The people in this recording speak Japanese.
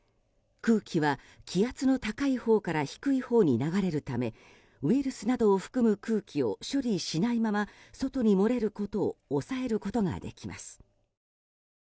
空気は気圧の高いほうから低いほうに流れるためウイルスなどを含む空気を処理しないまま外に漏れることを抑えることができます。